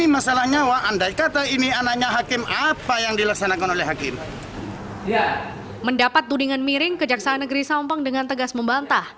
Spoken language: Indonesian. mendapat tudingan miring kejaksaan negeri sampang dengan tegas membantah